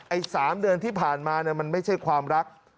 ๓เดือนที่ผ่านมามันไม่ใช่ความรัก